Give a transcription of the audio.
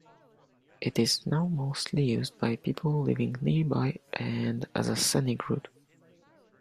It is now mostly used by people living nearby and as a scenic route.